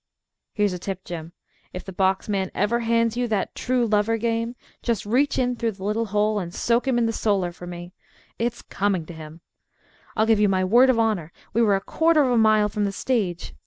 Here's a tip, Jim. If the box man ever hands you that true lover game, just reach in through the little hole and soak him in the solar for me. It's coming to him. I'll give you my word of honor we were a quarter of a mile from the stage.